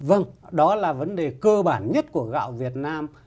vâng đó là vấn đề cơ bản nhất của gạo việt nam